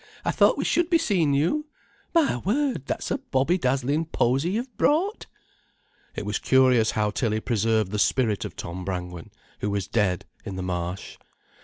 "I thought we should be seein' you. My word, that's a bobby dazzlin' posy you've brought!" It was curious how Tilly preserved the spirit of Tom Brangwen, who was dead, in the Marsh.